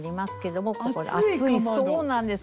そうなんです。